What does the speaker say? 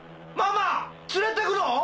ママ連れてくの？